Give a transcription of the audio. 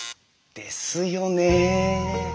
ですよね。